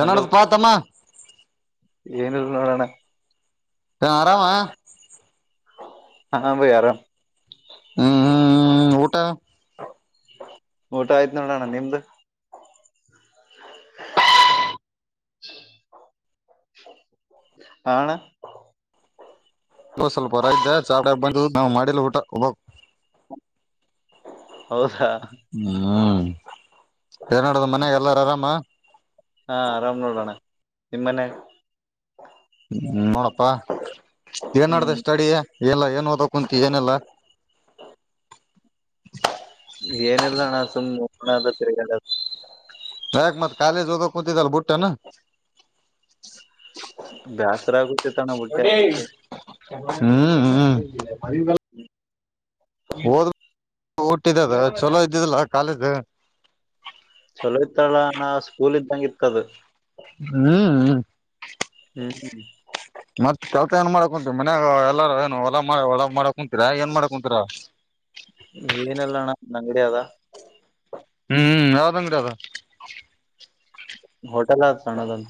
Hello ತಮ್ಮ ಏನ ನೋಡೋಣ ಹ ಆರಾಮಾ ಹಾ ಬಯ್ಯ ಆರಾಮ್ ಹ್ಮ್ ಹ್ಮ್ ಹ್ಮ ಊಟ ಊಟ ಆಯ್ತು ನೋಡೋಣ ನಿಮ್ದು [inaudible] ಹಣ [unintelligible] ಹೌದಾ ಏನ್ ನಡ್ ದಾದಾ ಮನ್ಯಾಗ ಎಲ್ಲಾರು ಆರಾಮ ಹಾ ಆರಾಮ್ನೋಡಣ ನಿಮ್ಮನೆ ಹ್ಮ ನೋಡಪ್ಪಾ ಏನ್ ಮಾಡಡ್ದ ಹ್ಮ್ ಸ್ಟಡ ಎಲ್ಲ ಏನ್ ಓದ ಕುಂತು ಏನೆಲ್ಲಾ ಏನಲ್ಲ ಹಣ ಸುಮ್ಮ್ದ ತಿಗ ಹ್ಯಾಕ್ ಮತ್ ಕಾಲೇಜ ಹೋದೋ ಕೂತಿದ ಅಲ್ಲ ಬುಟ್ಟ್ಣ ಬ್ಯಾಸರಾಗ ಹ್ಮ್ ಹ್ಮ್ ಹ್ಮ ಓದ್ ಟಿದ್ದದ ಚಲೋ ಇದ್ದಿದಲ್ಲ ಕಾಲೇಜ್ ಚಲೋ ಇತ್ತಲ್ಲ ನಾ ಸ್ಕೂಲ್ ಇದ್ದಂಗ ಇರ್ತದ ಹ್ಮ್ ಹ್ಮ್ ಹ್ಮ್ ಹ ಮತ್ ಕೆಲಸ ಏನ್ ಮಾಡಕ್ ಕುಂತೀರಿ ಮನ್ಯಾಗ ಎಲ್ಲಾರ ಏನು ಹೊಲಾ ಮಾಡ ಒಲ ಮಾಡಕ ಕುಂತೀರ ಏನ್ ಮಾಡಕ್ ಕುಂತೀರಾ ಏನಲ್ಲ ಅಣ್ಣ ನಂಗಡಿ ಅದ ಹ್ಮ್ ಯದಂಗಡಿ ಅದ ಹೋಟೆಲ್ ಆ ಸಣಾದನ್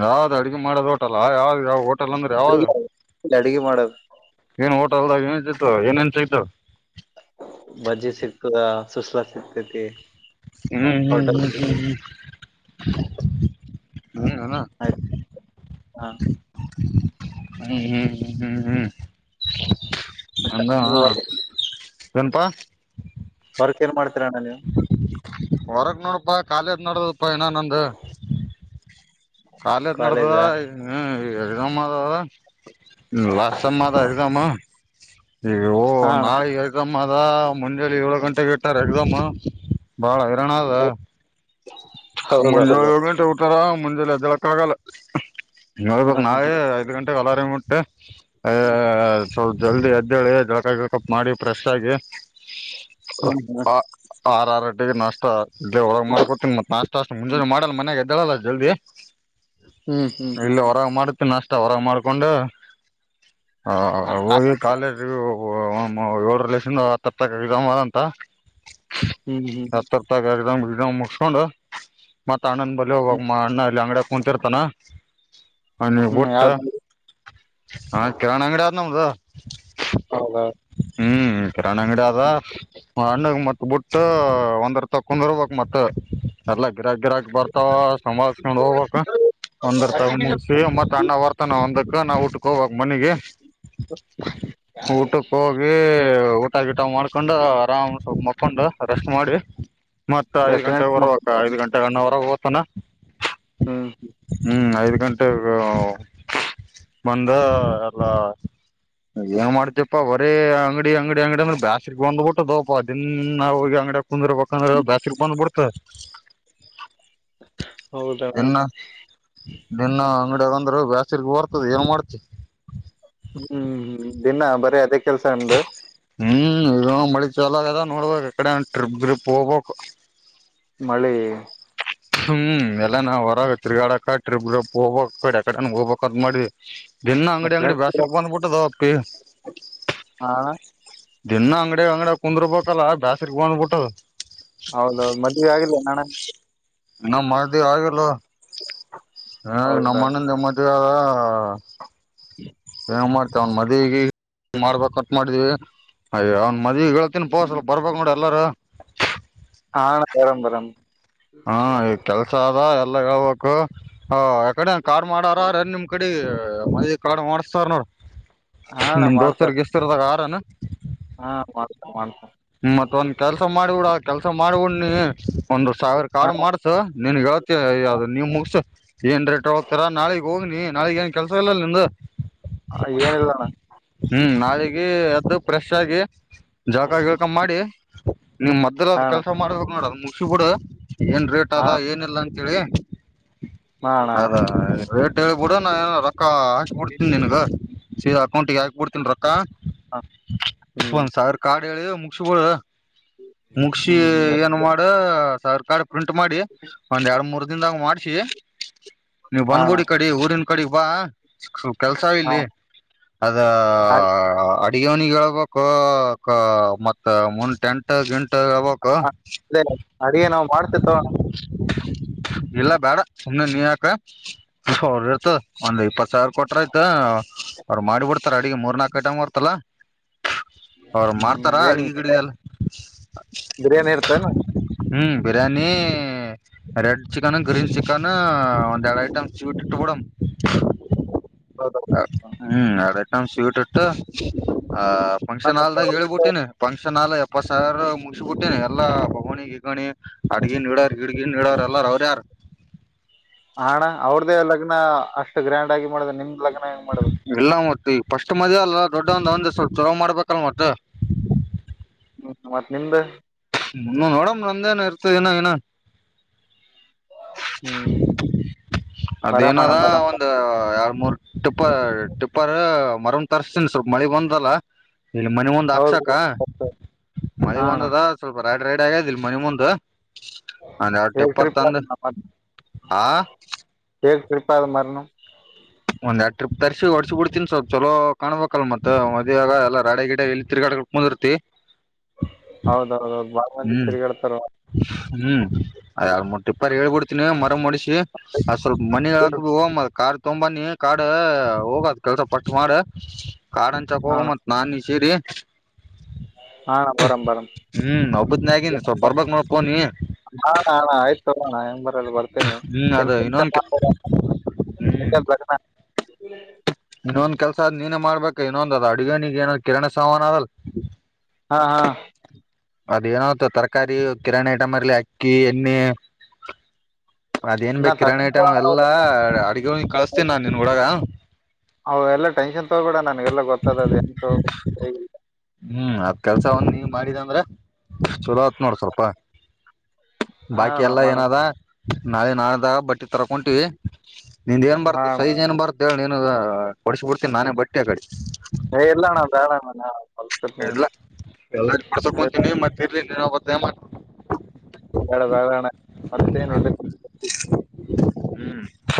ಯಾವ್ದ್ ಅಡಗೆ ಮಾಡೋದು ಹೋಟಲ್ ಯಾವ್ದ ಯಾವ ಹೋಟೆಲ್ ಅಂದ್ರೆ ಯಾವ್ದ ಅಡ ಅಡಗೆ ಮಾಡಕ್ ಏನ್ ಹೋಟಲ್ದ ಏನ್ ಸಿತತ್ತು ಏನ ನ್ ಸಿೈತು ಬಜ್ಜಿ ಸಿಗ್ತದ ಸುಸ್ಲಾ ಸಿಗ್ತತಿ ಹ್ಮ್ ಹ್ಮ್ ಹ್ಮ್ ಹ್ಮ್ ಹ್ಮ್ ನೀಏನಣ ಆಯ್ತು ಹಾ ಹ್ಮ್ ಹ್ಮ್ ಹ್ಮ್ ಹ್ಮ್ ಹ್ಮ್ ಅಂದ ಏನಪ್ಪಾ ವರ್ಕ್ ಏನ್ ಮಾಡ್ತೀರಣ್ಣ ನೀವು ಹೊರಗ್ ನೋಡಪಾ ಕಾಲೇಜ್ ನೋಡದಪ್ಪಾ ಇಏ ನಂದು ಕಾಲೇಜ್ ನಡ್ತದ ಕಾಲೇಜಾ ಎಮ್ ಆದದ ಲಾಸ್ಟ್ ಸಮಮ್ಮ ಅದಮ್ಮ ಈ ಓ ಹಾ ಅಣ್ಣ ನಾಳ ಎಕ್ಸಾಮ್ ಅದ ಮುಂಜಾನೆ ಏಳು ಗಂಟೆಗೆ ಇಟ್ಟಾರ ಎಕ್ಸಾಮ್ ಬಾಳ ಹೈರಾಣ ಅದ ಮುಂಜೆ ಹೌದೌದು ಏಳು ಗಂಟೆ ತಾರ ಮುಂಜೆಲ್ಲ ಬೆಳಕ್ಕ ಆಗಲ್ಲ ಹಾ ನೋಡ್ಬೇಕಕ್ ಹಾ ನಾವೇ ಐದ್ ಗಂಟೆಗೆ ಅಲಾರಾಮ ಮುಟ್ಟೆ ಅ ಸ್ವಲ್ ಜಲ್ದಿ ಅಜ್ಜ ಜಳಕ ಜ ಕಪ್ ಮಾಡಿ ಫ್ರೆಶ್ ಆಗಿ ಹಾ ಆರ ಆರ ಟಿಗೆ ನಾಷ್ಟ ದೇ ಹೊರಗ್ ಮಾಡ್ಕೊತೀನ ಮತ್ ನಾಷ್ಟ ಅಷ್ಟು ಮುಂಜಾನೆ ಮಾಡಲ್ಲ ಮನೆಾಗಗೆದ್ದಳಲ್ಲ ಜಲ್ದಿ ಹ್ಮ್ ಹ್ಮ್ ಇಲ್ಲ ಹೊರ ಮಾಡ ನಷ್ಟ ಹೊರ ಮಾಡ್ಕೊಂಡು ಹಾ ಹೋಗಿ ಕಾಲೇಜ್ ಒ ಏಳರ ಲಕ್ಷಿಂದ ಹತ್ತ ಹ ತಕಗಿದಾರಂತ ಹ್ಮ್ ಹ್ಮ್ ಹತ್ತರ್ ತ ಬಿ ಮುಿಸಕೊಂಡ್ ಮತ್ತತ್ ಅಣ್ಣನ್ ಬಲಿ ಹೋಗಾಗ ಅಣ್ಣ ಎಲ್ಲಿ ಅಂಗಡ ಹೊಂತಿರ್ತಾನ ನೀ ಹ್ಮ್ ಒಟ್ಟ ಯಾವ್ದ ಹಾ ಕಿರಣಾಣ್ ಅಂಗಡಿ ಆದ ನಮ್ದ ಹೌದೌದು ಹ್ಮ್ ಕರಾಣ ಅಂಗಡಿ ಆದ ಅಣ್ಣಗ್ ಮತ್ ಬಿಟ್ಟ ಒಂದರ ತಕೊಂಡರ್ಬೇಕಕ್ ಮತ್ತ ಎಲ್ಲಾ ಗಿರಾಕ್ ಗಿರಾಕ್ ಬರ್ತಾವ ಸಂವಿಸಸ್ಕೊಂಡ್ ಹೋಗ್ಬೇಕಕ್ ಒಂದರ್ ತಗ ಮೂರ್ ಸೇ್ ಮತ್ತ ಅಣ್ಣ ವರ್ತನ ಹೊಂದಕ್ಕೆ ನಾವು ಊಟಕ ಹೋಗಬೇಕಕ್ ಮನೆಗೆ ಹ ಊಟಕ್ಕೆ ಹೋಗಿ ಊಟ ಗಿಟ ಮಾಡ್ಕೊಂಡು ಆರಾಮ್ ಮಕೊಂಡು ರೆಸ್ಟ್ ಮಾಡಿ ಮತ್ತತ್ ಐದ್ ಎಷ್ಟ ಗಂಟೆೆಗೆ ಗಂಟೆ ಮಕ್ ಬರ್ರುವಕ್ಕ ಐದ್ ಗಂಟೆಗೆ ಅಣ್ಣ ಹೊರಗ ಓತನಾ ಹ್ಮ್ ಹ್ಮ್ ಐದ್ ಗಂಟೆಗ ಬಂದ ಎಲ್ಲ ಏನ್ ಮಾಡ್ತಪ್ಪಾ ಬರೀ ಅಂಗಡಿ ಅಂಗಡಿ ಅಂಗಡಿ ಅಂದ್ರೆ ಬ್ಯಾಸ್ರಗ್ ಬಂದಬ ಬಿಟ್ಟು ದಪ ಅ ದಿನ ನ ಅಂಗಡಿ ದ್ರ ಬಂದ್ರ ದಸ್ ಬಂದ್ ಬಿಡ್ತದ ಹೌದಣ್ಣ ಎನ್ನ ನಿನ್ನ ಅಂಗಡಿಯಗಂದ್ರೆ ಬೇಸ್ರ್ ಬರ್ತದ ಏನ್ ಮಾಡ್ತಿ ಹ್ಮ್ ಹ್ಮ್ ದಿನಾ ಬರಿೀ ಅದೇ ಕೆಲ್ಸ ಅ್ದ ಹ್ಮ್ ಇ ಮಳಿಲ ಅದ ನೋಡ್ಬೇಕಕ್ಕಡೆ ಟ್ರಿಪ್ ಗ್ರಿಪ್ ಹೋಗ್ಬೇಕು ಮಳೆ ಹ್ಮ್ ಎಲ್ಲ ನಾವು ಹೊರಾಗ ತಿರ್ಗಾಡಕ ಟ್ರಿಪ್ ಗ್ರಿಪ್ [unintelligible] ಆಕಡೆ ಹೋಗ್ಬೇಕ ಅಂತ್ ಮಾಡಿ ದಿನ್ನ ಅಂಗಡಿ ಅಂಗಡಿ ಬಾ ಫ್ರೆಂಡ್ಸ್ ತಿರ್ಗುವ ಅಂದ್ಬಿಟ್ಟದ ಅಪ್ಪಿ ಹಾ ಅಣ ದಿನ ಅಂಗಡಿ ಅಂಗಡಿಯಾಗ್ ಕುಂದುರ್ಬೇಕಲ್ಲ ಬ್ಯಾಸ್ರಿಗೆ ಬಂದ್ ಬಿಟ್ಟದು ಹೌದೌದು ಮದ್ವೆ ಆಗಿಲ್ಲೇನ್ ಅಣ ನಮ್ ಮದ್ವೆ ಆಗಿಲ್ಲ ಹೌದಾ ನಮ್ಮಣ್ಣಂದ ಮದ್ವೇ ಏನ್ ಮಾಡ್ತ ಅವ್ನ್ ಮದ್ವಿಗೆ ಮಾಡ್ಬೇಕಂತ ಮಾಡೀವಿ ಅಯ್ಯೊ ಅವ್ನ್ ಮದ್ವಿಗ ತಿಿನ ಪೋಸಲ್ ರ್ಬಬೇಕ್ ನೋಡು ಎಲ್ಲರು ಹಾ ಅಣ ಬರಣ್ ಬರಣ್ ಹಾ ಈಗ ಕೆಲ್ಸ ಅದ ಎಲ್ಲ ಹೇಳ್ಬೇಕು ಯಕಡೆ ಕಾರ್ ಮಾಡಾರಾರೆ ನಿಮ್ ಕಡಿಗೆ ಮನೆ ಕಾಡ್ ಮಾಡ್ಸ್ತಾರ್ ನೋಡ್ ಹಾ ಅಣ್ಣ ನಿಮ್ ಮಾಡ್ತಾರ ದೋಸ್ತಾರ್ ಎಸ್ಟಿದಾರ್ ಆರೆನ ಹಾ ಮಾಡ್ತ ಮಾಡ್ತ ಮತ್ತ ಒಂದ ಕೆಲ್ಸ ಮಾಡ್ಬಿಡ ಕೆಲ್ಸ ಮಾಡ್ಬಿಡ್ ನೀ ಒಂದು ಸಾವಿರ ಕಾಡು ಹಾ ಮಾಡ್ ಸ ನೀನ್ ಹೇಳ್ತ್ಯ ಯಾವ್ದು ನೀವ್ ಮುಗ್ಸು ಏನ್ ರೇಟ್ ತೋಗೋತಾರ ನಾಳೆಗ್ ಹೋಗ್ನಿ ನಾಳೆಗ್ ಏನ್ ಕೆಲ್ಸ ಇಲ್ಲಲ್ಲ ನಿಮ್ದು ಹ ಏನಿಲ್ಲಣ್ಣ ಹ್ಮ್ ನಾಳಿಗೆ ಅದು ಫ್ರೆಶ್ ಆಗಿ ಜಳ್ಕ ಗಿಳ್ಕ್ ತಂ ಮಾಡಿ ನಿಮ್ ಮೊದ್ರು ಹಾ ಅದ್ ಅಣ್ಣ ಕೆಲ್ಸ ಮಾಡ್ಬೇಕ್ ನೋಡ ಅದ್ ಮುಗ್ಸಿ ಬಿಡ ಏನ್ ರೇಟ್ ಹಾ ಅದ ಏನ್ ಇಲ್ಲ ಅಂತ್ ಕೇಳಿ ಹಾ ಅಣ್ಣ ಅದ ರೇಟ್ ಹೇಳಿಬಿಡ ನಾ ಏನ್ ರೊಕ್ಕ ಬಿಡ್ತೀನಿ ನಿನ್ಗ ಸರಿ ಅಕೌಂಟ್ಗೆ ಯಾಕ ಬಿಡ್ತೀನ್ ರೊಕ್ಕ ಹ್ಮ್ ಒಂದ್ ಸಾವ್ರ ಕಾಡು ಹೇಳಿ ಮುಗ್ಸಿಬಿಡ್ ಮುಗ್ಸಿ ಹ್ಮ್ ಹ್ಮ್ ಏನ್ ಮಾಡ ಸರ್ ಕಾಡ್ ಪ್ರಿಂಟ್ ಮಾಡಿ ಒಂದ್ ಎರಡು ಮೂರ್ ದಿನ್ದಾಗ ಮಾಡ್ಸಿ ನೀವು ಹಾ ಅಣ್ಣ ಬಂದ್ಬುಡ್ ಈಕಡಿ ಊರಿನ ಕಡಿ ಬಾ ಕೆಲ್ಸ ಹಾ ಆಗಿಲ್ಲಿ ಅದೂ-ದೂ ಈಗ ಅವ್ನಿಗ ಹೇಳ್ಬೇಕು ಕು ಮತ್ತ ಮುಂದ್ ಟೆಂಟ್ ಎಟ ಗಂಟ ಆಬೋಕು ಅದೇ ಅಡಿಗೆ ನಾವ್ ಮಾಡ್ತಿವಿ ತಗೋ ಅಣ್ಣ ಇಲ್ಲ ಬೇಡ ಸುಮ್ನೇ ನೀಯಾಕ ಅವ್ರ್ ಇರ್ತದ್ ಒಂದ್ ಇಪ್ಪತ್ ಸಾವಿರ ಕೊಟ್ರ ಆಯ್ತ ಅವ್ರ್ ಮಾಡಿ ಬಿಡ್ತಾರೆ ಅಡಿಗೆ ಮೂರ್ ನಾಲ್ಕು ಅಟೇಮ್ ಅವ್ರು ಹ್ಮ್ ಮಾಡ್ತಾರ ಏನ್ ಅಡಿಗೆ. ಬಿರಿಯಾನಿ ಇರ್ತೇನ ನಮ್ ಹ್ಮ biryani. Red chicken green chicken ಒಂದ್ ಎರಡು ಐಟಂ ಸ್ೀಟ್ ಬಿಡ್ತು. [inaudible] ಹೌದೌದು ಹ್ಮ್ ಅದೈತ ನಮ ಸ್ವೀಟ್ ಇಟ್ಟು ಆ ಫಂಕ್ಷನ್ ಆಲ್ದಾಗ ಹೇಳ್ಬಿಟ್ಟೇನಿ. ಫಂಕ್ಷನ್ ಹಾಲ್ ಎಪ್ಪತ್ತು ಸಾವಿರ ಮುಗಬಿಟ್ಟೇನೆಿ ಎಲ್ಲಾ ಹೊಗಣಿ ಗಿಗಣಿ. ಅಡ್ಗನ್ ಇ ಗಿಡಗಿನ್ ಇಡೋರ ಎಲ್ಲಾರ ಅವ್ರ ಯಾರ್. ಹಾ ಅಣ್ಣ ಅವ್ರ್ದೇ ಲಗ್ನ ಅಷ್ಟು ಗ್ರ್ಯಾಂಡ್ ಆಗಿ ಮಾಡುದ ನಿಮ್ದ್ ಲಗ್ನ ಹೆಂಗ ಮಾಡಬೇಕು. ಎಲ್ಲಾ ಮತ್ತತ್ ಈಗ ಫಸ್ಟ್ ಮದ ಅಲ್ಲ ದೊಡ್ಡೊಂದ್ ಒಂದ್ ಸ್ವಲ್ಪ ಚಲೋ ಮಾಡ್ಬೇಕಲ್ ಮತ್ತತ್. ಹ್ಮ್ ಮತ್ತ್ ನಿಮ್ದು ಹ್ಮ್ ನೋಡಮ್ ನಂದೇಏನ್ ಇರ್ತಾ ಇನ್ನ. ಹ್ಮ್ ಹ್ಮ್ ಅದು ಎನ್ನ ಬರಾಮಣ ಬರಾಮ ಒಂದು ಎರಡ ಮೂರು. ಟಿಪ್ಪರ್ ಟಿಪ್ಪರ್ ಮರನ್ ತರ್ತನಿ ಸ್ವಲ್ಪ ಮಳಿ ಬಂದಲ್ಲಾ. ಇಲ್ಲಿ ಮನೆ ಮುಂದ್ ಹೌದು ಹಾಕ್ಸಕ ಮಳೆ ಹಾ ಅಣ್ಣ ಒಂದದ ಸ್ವಲ್ಪ ರೈಡ್ ರೈಡ್ ಆಗ್ಯದ ಇಲ್ ಮನೆ ಮುಂದ್ [unintelligible] ಹಾ [unintelligible] ಒಂದ್ ಎಡ್ ಟ್ರಿಪ್ ತರ್ಸಿ ಹೊಡ್ಸ್ ಬಿಡ್ತೀನ್ ಸ್ವಲ್ಪ್ ಚಲೋ ಕಾಣ್ಬೇಕ ಅಲ್ ಮತ್ತ ಮದ್ವೆಗ ಎಲ್ಲ ರಡೆ ಗಿಡೆ ಇಲ್ ತಿರ್ಗಾಡ್ ಮುದ್ರ್ತ್ರಿ ಹೌದೌದೌದ್ ಬಾಳ ಮಂದಿ ತಿರುಗಾಡ್ತಾರ್ ಹ್ಮ್ ಮಟ್ಟ [unintelligible] ಇಪ್ಪಾರಿ ಹೇಳ್ಬೊಡ್ತೀನಿ ಮರ ಅ್ ಸ್ವಲ್ಪ ಮನೆಿಗಳಕ್ ಅಣ್ಣ [unintelligible] ಭ ಹೋಗ ಕಾರ್ ತೊಂಬ ಕಾಡ ಹೋಗದ್ ಕೆಲ್ಸ ಪಟ್ಟ್ ಮಾಡ ಕಾಡ ಅಂಚಕ್ ಹೋಗ ಹಾ ಮತ್ ನಾ ನೀ ಸೇರಿ ಅಣ್ಣ ಬರಂ ಬರಂ ಹ್ಮ್ ಒಬ್ಬದ್ನ ಆಗಿನಿ ಸ್ವಲ್ಪ ಬರ್ಬಕ್ ನೋಡ್ಕೋ ನೀ ಹಾ ಅಣ ಆಯ್ತು ಅಣ ಹೆಂಗ್ ಬರದ್ ಬರ್ತೀನಿ ಹ್ಮ್ [inaudible] ಅದ ಇನ್ನೊಂದ್ ಹ್ಮ್ ಎ ಬರ್ [inaudible] ಇನ್ನೊಂದ್ ಕೆಲಸ ಅದ್ ನೀನೇ ಮಾಡ್ಬೇಕ್ ಇನ್ನೊಂದ್ ಅದ್ ಅಡುಗೆನಿಗ್ ಏನೋ ಕಿರಣ ಸಾಮಾನ್ ಅದಲ್ಲ ಹಾ ಹಾ ಅದ್ ಏನೊ ಅತ್ತ್ ತರಕಾರಿ ಕಿರಣ್ ಐಟಮ್ರ್ಲ್ಲಿ ಅಕ್ಕಿ ಎಣ್ಣೆ ಅದೇನ್ ನಾ ಬೇಕ್ ಕಿರಾಣ್ ತರ್ತೀನಿ ತಗೋ ಐಟಮ್ ಅಣ್ಣ. ಅವ್- ಎಲ್ಲಾ ಅಡ್ಗೆವ್ನಿಗ್ ಕಳ್ಸ್ತೀನ್ ನಾನ್ ನಿನ್ ಹುಡಗ ಅವ್ ಎಲ್ಲ ಟೆನ್ಷನ್ ತಗಬೇಡ ನನ್ಗೆಲ್ಲ ಗೊತ್ತದೆ ಅದ್ ಎಂತ್ ಹ್ಮ್ ಅದ್ ಕೆಲ್ಸ ಒಂದ್ ನೀವ್ ಮಾಡಿದ ಅಂದ್ರ ಚಲೋ ಆತ್ ನೋಡ್ ಸ್ವಲ್ಪ ಹಾ ಬಾಕಿ ಅಣ್ಣ ಎಲ್ಲ ಮಾಡಮ್ ಏನದ ನಾಳೆ ನಾಳದಾಗ್ ಬಟ್ ತರಕೊಂಟಿವಿ ನಿಂದ ಏನ್ ಹಾ ಬರ್ತು ಅಣ್ಣ ಸೈಜ್ ಏನ್ ಬರ್ ಇದೇಳ ಏನದ ಕೊಡಸ್ಬಿಡ್ತೀನಿ ನಾನೇ ಬಟ್ಟೆ ಕಡೆ ಹೆ ಇಲ್ಲಣ ಬ್ಯಾಡಣ ಇಲ್ಲ ಎಲ್ಲರ್ ಪಡ್ಸಕ್ಂತೀನಿ ಮತ್ತ ಇರ್ಲಿ ನೀನ್ ನಂಗ್ ಒತ್ತಾಯ್ ಬಡ [unintelligible] ಬಣ ಮತ್ತೇನ್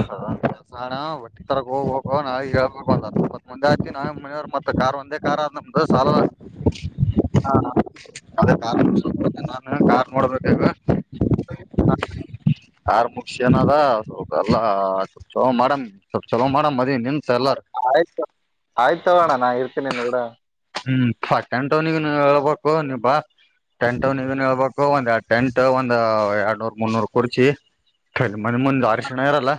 ಹ [inaudible] ಈ ತರ ಹೋಗ್ಬೇಕ ನಾವೇಳ್ಬತ್ ಮುಂದೆ ಆ ನಾವ ಮನೆಯವ ಮತ್ ಕಾರ್ ಒಂದೇ ಕಾರ್ [unintelligible] ಚಾಲ್ನ ಹಾ ಅದೇ ಕಾರ್ ನಾನು ಕಾರ್ ನೋಡ್ಬೇಕಗ ಹಾ ಆರ್ ಮುಗಿ ಏನದ ಸ್ವಲ್ಪ ಎಲ್ಲಾ ಚಲೋ ಮಾಡಮ್ ಸ್ವ ಚಲೋ ಮಾಡಮ್ ಮದಿವಿ ನಿದ್ ಆಯ್ತ ಆಯ್ತ ತಗೋಣ ನಾ ಇರ್ತೀನಿೂಡ ಹ್ಮ್ ಪ ಟೆನ್ ಟೌನಿಗೆ ಹೇಳ್ಬೇಕು ನಿ ಬಾ ಟೆನ್ ಟೌನಿಗನ್ ಹೇಳ್ಬೇಕು ಒಂದ್ ಎ ಟೆಂಟ್ ಒಂದ ಎರಡ್ನೂರ್ ಮುನ್ನೂರ್ ಕುರ್ಚಿಮನಿ ಮುಂದ ಅರಶಣ ಇರಲ್ಲ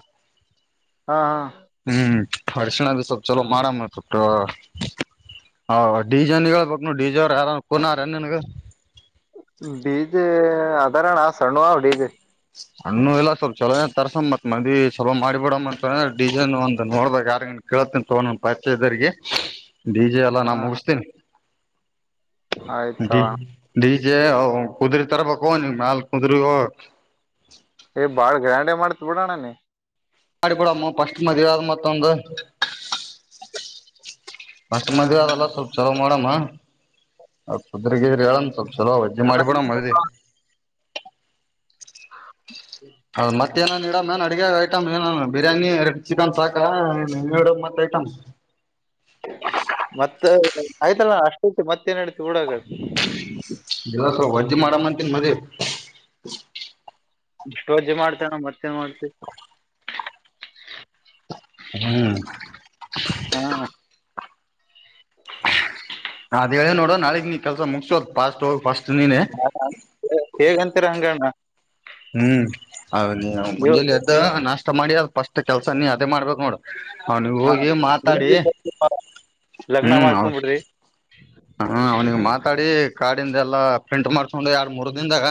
ಹಾ ಹಾ ಹ್ಮ್ ಅರಿಸಿನ ಅದು ಸ್ವಲ್ಪ ಛಲೋ ಮಾಡಮ್ಮ ಹಾ ಡಡಿಜೆನ್ ಹೇಳ್ಬೇಕಕ್ ಡಿಜೆ ಅವ ಯಾರ ಕುನ ನನ್ಗ ಡಿಜೆ ಅದರಣ್ಣ ಸಣ್ಣ ಡಿಜೆ ಸಣ್ಣ ಇಲ್ಲ ಸ್ವಲ್ಪ ಚಲೋ ತಸ ಮತ್ ಮಂದಿ ಚಲೋ ಮಾಡಿಬ ಬಿಡಂತ ಡಿಜೆನ್ ಒಂದ ನೋಡ್ಬಕ್ ಯಾರ್ಗನ್ ಕೇಳತನಿ ತೊಗೊಂಡ ಪರೀಚದರಿಗೆ ಡೀಜೆ ಎಲ್ಲಾ ನಾ ಹ ಮುಗಿಸತೇನಿ ಆಯ್ತವ ಡಿಜೆ ಕುದುರೆ ತರಬೇಕು ಮ್ಯಾಲ ಕುದುರೆ ಏ ಬಾಳ್ ಗ್ರ್ಯಾಂಡೆ ಮಾಡ್ತ್ ಬಿಡ್ತಿ ಅಣ್ಣ ನೀ ಮಾಡಬಡಮ್ಮ ಫಸ್ಟ್ ಮದ್ ಆದ್ ಮತ್ತೊಂದು ಬಸ್ ಹಾ ಮದುವ ಹಾ ಅದಲ್ಲ ಸ್ವಲ್ಪ ಚಲೋ ಮಾಡಮ್ಮ ಕುದ್ರಗಿದ್ರಿ ಹೇಳನ್ ಸ್ವಲ್ಪ ಚೊಲೋ ವಜ ಅಣ್ಣ ಮಾಡಬಡ ಮಿ ಹ್ಮ ಹಾ ಮತ್ತ ನನ್ ಇಡ ಮನ್ ಅಡಗೆ ಐಟಮ್ ಬಿರಿಯಾನಿ ಎರಡು ಚಿಕನ್ ಸಾಕಾ ಎರಡು ಮತ್ತ ಐಟಮ್ ಮತ್ತ ಆಯ್ತಲ್ಲ ಅಷ್ಟ ಇತ್ತು ಮತ್ತೇನ್ಡತಿ ಊಡಾಗ ದಲಸ ವಜ್ಜಿ ಮಾಡ್ ಅಂತೀನ್ ಮದ್ವಿ ಇಷ್ಟು ವರ್ಜೆ ಮಾಡ್ತೇನ ಮತ್ತೇನ್ ಮಾಡ್ತಿ ಹ್ಮ್ ಹಾ ಹ ಅದ ಹೇಳ ನೋಡ ನಾಳಗ್ ನೀ ಕೆಲ್ಸ ಮುಗಸದ್ ಫಾಸ್ಟ್ ಹ ಫಸ್ಟ್ ನೀನೆ ಹೇಗಂತೀರ ಹಂಗಣ್ಣ ಹ್ಮ್ದು ನೀವು ಮಂಜೇಲಿ ಎದ್ದ ನಾಷ್ಟ ಮಾಡಿ ಅ ಫಸ್ಟ್ ಕೆಲ್ಸ ನೀ ಅದೇ ಮಾಡ್ಬೇಕು ನೋಡು ಹ ನೀವು ಹಾ ಹೋಗಿ ಮಾತಾಡಿ ಲಗ್ನ ಹ್ಮ್ ಹೌದು ಮಾಡ್ಕೊಂಡ್ಬಿಡ್ರಿ ಹ್ಮ ಅವ್ನಿಿಗ ಮಾತಾಡಿ ಕಾರ್ಡಿಂದ ಎಲ್ಲಾ ಪ್ರಿಂಟ್ ಮಾಡ್ಸ್ಕೊಂಡು ಎರ ಮೂರ್ ದನ್ದಾಗ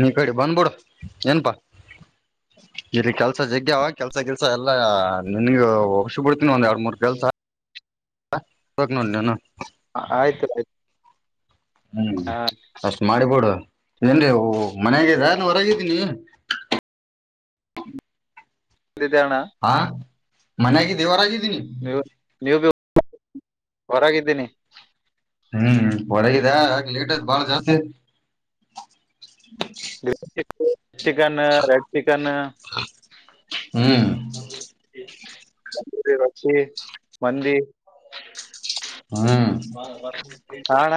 ನೀ ಕಡೆ ಬಂದ್ಬಿಡು ಏನಪಾ ಇಲ್ಲಿ ಕೆಲ್ಸ ಜಗ್ಯ ಅವ ಕೆಲ್ಸ ಕೆಲ್ಸ ಎಲ್ಲಾ ನಿನ್ಗ ಹೊಸ್ ಬಿಡ್ತೀನಿ ಒಂದ್ ಎರಡ್ ಮೂರ್ ಕೆಲ್ಸ ಹ ಪ್ರಕ್ ನ [inaudible] ಹ ಆಯ್ತು ಆಯ್ತು ಹ್ಮ್ ಅಷ್ಟ್ ಮಾಡಿಬೋಡು ಇದೇನ್ ಮನ್ಯಾಗ ಇದ ನೀ ಹೊರಗಿದ್ದೀನಿ ಎಲ್ಲಿದಿ, ಅಣ್ಣ ಹಾ ಮನ್ಯಾಗಿ ಹೊರಗಿದ್ದೀನಿ ನೀವು ನೀವು ಭ ಹೊರಾಗಿದ್ದೀನಿ ಹ್ಮ್ ಹೊರಗಿದೆ ಲೇಟ್ ಆತ್ ಬಾಳ ಜಾಸ್ತಿ ಗೀ ಚ ಚಿಕನ್ ರೆಡ್ ಚಿಕನ್ ಹ್ಮ್ ಹಂದು ರಿ ಮಂದಿ ಹ್ಮ್ ಹಾ ಅಣ್ಣ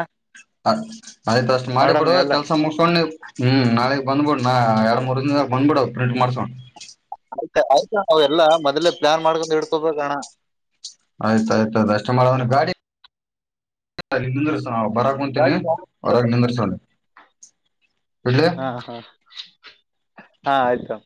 ಆಯ್ತ ಅಷ್ಟು ಮಾಡಿ ಮಾಡಮ್ ಬಿಡುವ ಇವೆಲ್ಲ ಕೆಲ್ಸ ಮುಗ [unintelligible] ಹ್ಮ್ ನಾಳ ಬಂದಬು ನ ಎರಡ್ ಮೂರ್ ದಿನ್ದಾಗ ಬಂದ್ಬಿಡು ಪ್ರಿಂಟ್ ಮಾಡಸೋಣ್. ಆಯ್ತಾ ಆಯ್ತಾಣ ಅವೆಲ್ಲ ಮೊದ್ಲೆ ಪ್ಲಾನ್ ಮಾಡ್ಕೊಂಡ್ ಇಡ್ಕೋಬೇಕಣ. ಆಯ್ತ ಆಯ್ತ ಅದಷ್ಟೇ ಮಾಡನ ಗಾಡಿ [unintelligible] ನಾವ್ ಬರಕ್ ಮುಂಚೆನೇ ಗಾಡಿ ಹೊರಗ ನಿಂದರ್ಸೋಣ. ಹಾ ಹಾ ಹಾ ಆಯ್ತು